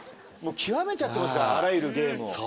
もう極めちゃってますからあらゆるゲームを。